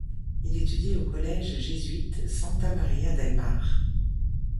Il étudie au collège jésuite 'Santa María del Mar'.